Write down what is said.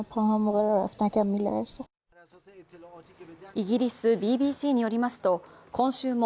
イギリスＢＢＣによりますと今週も